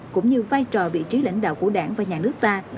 cũng như vai trò vị trí lãnh đạo của đảng và nhà nước ta